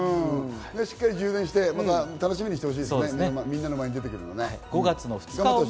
しっかり充電して、また楽しみにしてほしいですね、みんなの前に出てくるのをね。